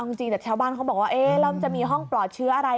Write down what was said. เอาจริงแต่ชาวบ้านเขาบอกว่าเราจะมีห้องปลอดเชื้ออะไร